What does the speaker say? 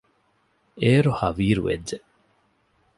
އޭރު ހަވީރުވެއްޖެ